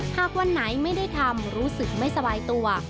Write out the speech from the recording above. หากวันไหนไม่ได้ทำรู้สึกไม่สบายตัว